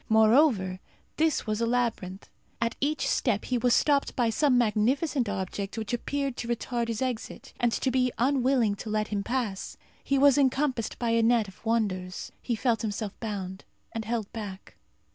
Moreover, this was a labyrinth. At each step he was stopped by some magnificent object which appeared to retard his exit, and to be unwilling to let him pass. He was encompassed by a net of wonders. He felt himself bound and held back.